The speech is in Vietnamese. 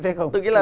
tôi nghĩ là